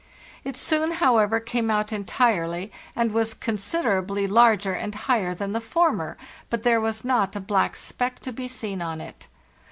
It soon, however, came out entirely, and was considerably larger and higher than the former, but there was not a black speck to be seen on it.